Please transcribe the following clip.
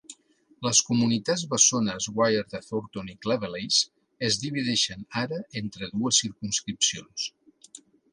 Les comunitats bessones Wyre de Thornton i Cleveleys es divideixen ara entre dues circumscripcions.